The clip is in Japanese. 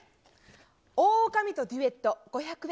大女将とデュエット５００円。